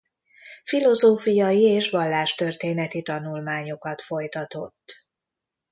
Filozófiai és vallástörténeti tanulmányokat folytatott.